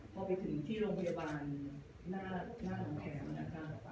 พอไปถึงที่โรงพยาบาลหน้าหน้าหนองแขมนะครับ